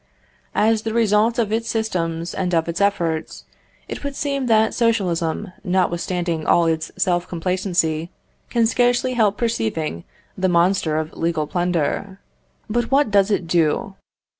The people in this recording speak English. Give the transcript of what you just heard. As the result of its systems and of its efforts, it would seem that socialism, notwithstanding all its self complacency, can scarcely help perceiving the monster of legal plunder. But what does it do?